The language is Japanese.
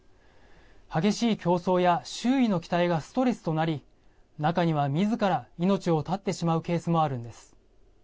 激しい競争や周囲の期待がストレスとなり中には、みずから命を絶ってしまうケースもあるんです。